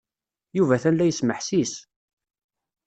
Yuba atan la yesmeḥsis.